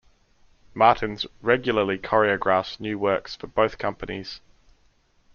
Martins regularly choreographs new works for both companies.